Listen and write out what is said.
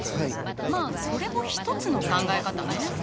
まあそれも一つの考え方ね。